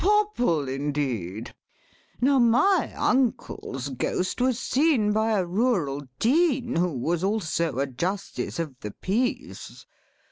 Popple, indeed! Now my uncle's ghost was seen by a Rural Dean, who was also a Justice of the Peace.